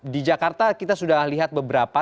di jakarta kita sudah lihat beberapa